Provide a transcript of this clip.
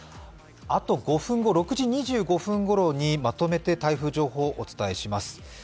あと５分後、６時２５分ごろにまとめて台風情報をお伝えします。